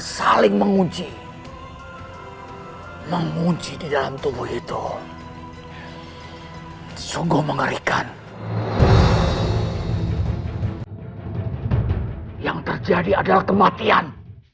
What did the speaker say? saling menguji menguji di dalam tubuh itu sungguh mengerikan yang terjadi adalah kematian